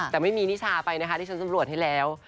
แต่ไม่มีนิชาไปนะคะที่ฉันสำรวจให้แล้ว